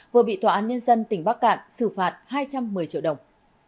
vừa bị tòa án nhân dân tỉnh bắc cạn xử phạt hai trăm một mươi triệu đồng